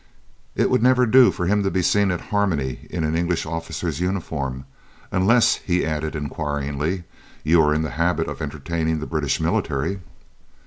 It would never do for him to be seen at Harmony in an English officer's uniform "unless," he added inquiringly, "you are in the habit of entertaining the British military?"